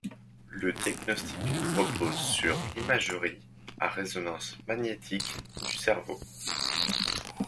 Le diagnostic repose sur l'imagerie à résonance magnétique du cerveau.